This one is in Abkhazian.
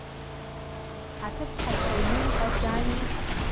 Аҭыԥҳацәа аҩны иҟаӡами?